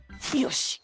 よし。